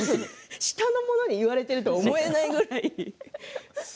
下の者に言われているとは思えないぐらい。